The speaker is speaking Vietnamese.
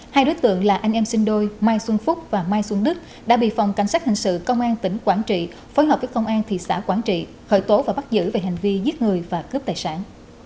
hai đối tượng là anh em sinh đôi mai xuân phúc và mai xuân đức đã bị phòng cảnh sát hình sự công an tỉnh quảng trị phối hợp với công an thị xã quảng trị khởi tố và bắt giữ về hành vi giết người và cướp tài sản